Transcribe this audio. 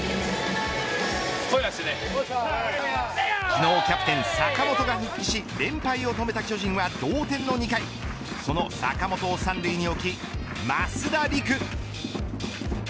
昨日、キャプテン坂本が復帰し連敗を止めた巨人は同点の２回その坂本を３塁に置き増田陸。